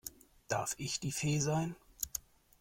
Darf ich die Fee sein?